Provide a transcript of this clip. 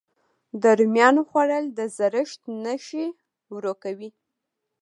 د رومیانو خووړل د زړښت نښې ورو کوي.